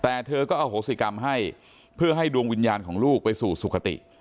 แต่เธอก็อโหสิกรรมให้เพื่อให้ดวงวิญญาณของลูกไปสู่สุขติ